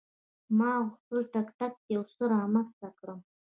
ما غوښتل ټکټ یو څه رامخته کړم.